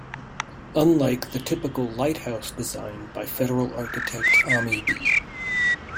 Unlike the typical lighthouse design by federal architect Ammi B.